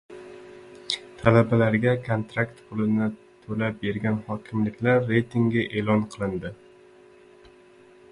Talabalarga kontrakt pulini to‘lab bergan hokimliklar reytingi e'lon qilindi